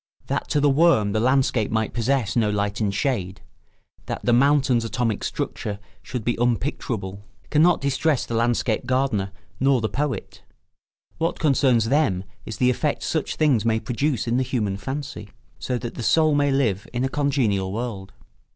That to the worm the landscape might possess no light and shade, that the mountain's atomic structure should be unpicturable, cannot distress the landscape gardener nor the poet; what concerns them is the effect such things may produce in the human fancy, so that the soul may live in a congenial world.